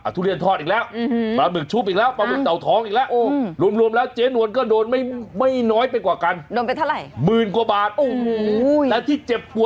อาทุระเย็นทอดอีกแล้วปลาหมึกชูบอีกแล้วปลาหมึกเต่าท้องอีกแล้ว